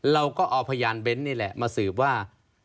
เราก็เอาพยานเบ้นนี่แหละมาสืบว่า